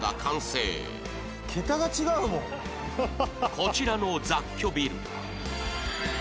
こちらの雑居ビルは